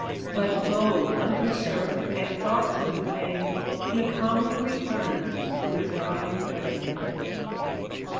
But bold, unconcern'd At thoughts of the pain, He calmly return'd To his cottage again.